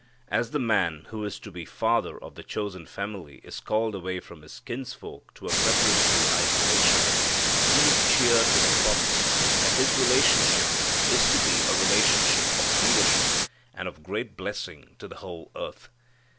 As the man who is to be father of the chosen family is called away from his kinfolk to a preparatory isolation, he is cheered with the promise that his relationship is to be a relationship of leadership and of great blessing to the whole earth.